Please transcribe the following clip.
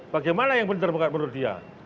bagaimana yang benar benar menurut dia